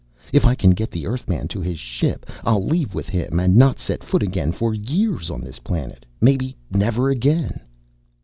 If I can get the Earthman to his ship I'll leave with him and not set foot again for years on this planet. Maybe never again."